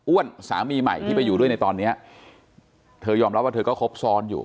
สามีใหม่ที่ไปอยู่ด้วยในตอนเนี้ยเธอยอมรับว่าเธอก็ครบซ้อนอยู่